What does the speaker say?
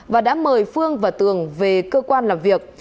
và đã mời phương và tường về cơ quan làm việc